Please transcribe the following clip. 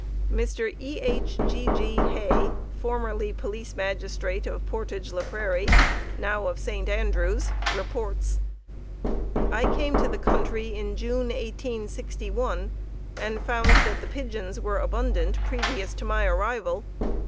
Mr. E. H. G. G. Hay, formerly police magistrate of Portage la Prairie, now of St. Andrews, reports: "I came to the country in June, 1861, and found that the pigeons were abundant previous to my arrival.